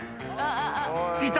［いた］